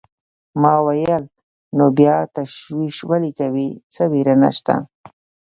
ما وویل: نو بیا تشویش ولې کوې، څه وېره نشته.